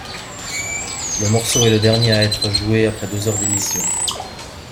Le morceau est le dernier à être joué après deux heures d'émission.